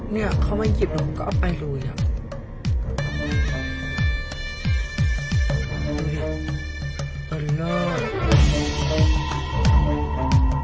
เนี่ยเขามาหยิบหนูก็ออกไปดูอย่าง